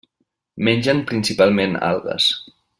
Mengen principalment algues.